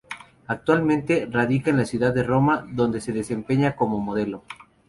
Actualmente, radica en la ciudad de Roma donde se desempeña como modelo.